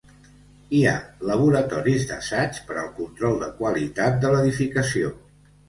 Hi ha laboratoris d'assaig per al control de qualitat de l'edificació.